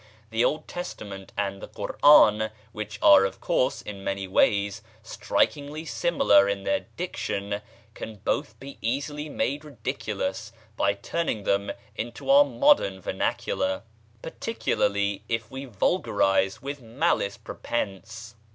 The Old Testament and the Ko'rân, which are, of course, in many ways strikingly similar in their diction, can both be easily made ridiculous by turning them into our modern vernacular, particularly if we vulgarize with malice prepense."